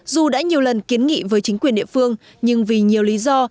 dù đã nhiều lần kiến nghị với chính quyền địa phương nhưng vì nhiều lý do